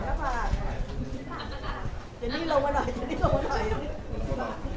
สวัสดีค่ะ